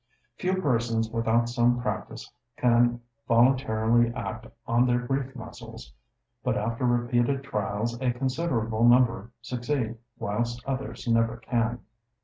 Few persons, without some practice, can voluntarily act on their grief muscles; but after repeated trials a considerable number succeed, whilst others never can.